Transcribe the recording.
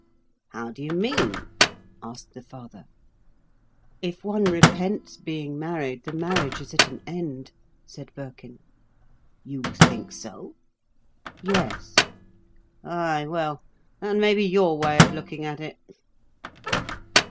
"How do you mean?" asked the father. "If one repents being married, the marriage is at an end," said Birkin. "You think so?" "Yes." "Ay, well that may be your way of looking at it."